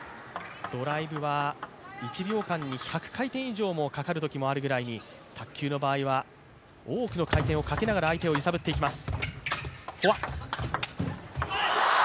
ドライブは１秒間に１００回もかかることがあるぐらいに、多くの回転をかけながら相手を揺さぶっていきます。